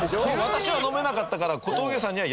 私は飲めなかったから。